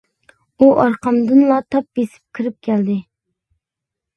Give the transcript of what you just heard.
ئۇ ئارقامدىنلا تاپ بېسىپ كىرىپ كەلدى.